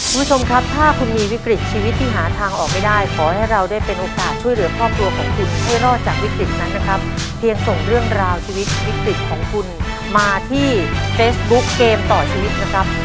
คุณผู้ชมครับถ้าคุณมีวิกฤตชีวิตที่หาทางออกไม่ได้ขอให้เราได้เป็นโอกาสช่วยเหลือครอบครัวของคุณให้รอดจากวิกฤตนั้นนะครับเพียงส่งเรื่องราวชีวิตวิกฤตของคุณมาที่เฟซบุ๊คเกมต่อชีวิตนะครับ